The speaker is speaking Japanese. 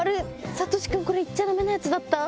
さとし君これ言っちゃダメなやつだった？